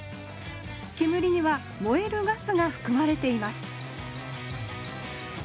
煙には燃えるガスがふくまれています